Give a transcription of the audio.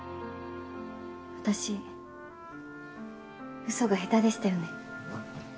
私嘘が下手でしたよね。